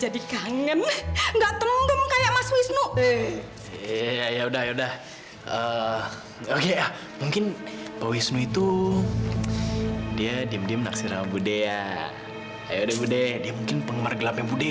dibilangin mas wisnu itu temen lama bude